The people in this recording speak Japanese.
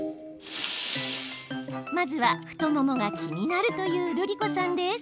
まずは、太ももが気になるというるりこさんです。